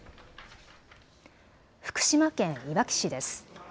福島県いわき市です。